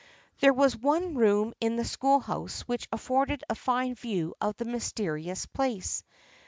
There was one room in the schoolhouse which afforded a fine view of the mysterious place.